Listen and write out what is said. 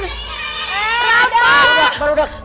eh waduh barudaks barudaks